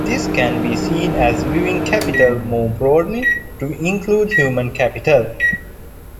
This can be seen as viewing "capital" more broadly, to include human capital.